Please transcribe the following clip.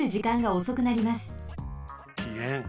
ぴえん。